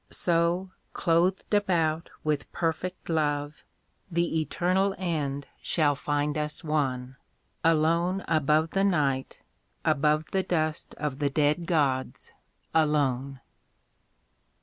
So, clothed about with perfect love, The eternal end shall find us one, Alone above the Night, above The dust of the dead gods, alone.